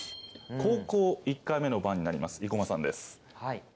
後攻１回目の番になります生駒さんです。